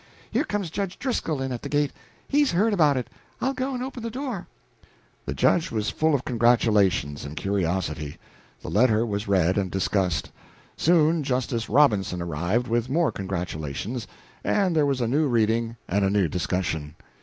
Here comes Judge Driscoll in at the gate. He's heard about it. I'll go and open the door." The Judge was full of congratulations and curiosity. The letter was read and discussed. Soon Justice Robinson arrived with more congratulations, and there was a new reading and a new discussion.